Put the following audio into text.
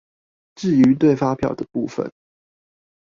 至於對發票的部分